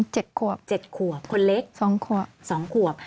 เจ็ดขวบเจ็ดขวบคนเล็กสองขวบสองขวบ